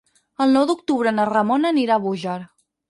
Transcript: El nou d'octubre na Ramona anirà a Búger.